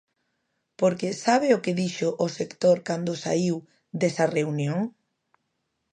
Porque ¿sabe o que dixo o sector cando saíu desa reunión?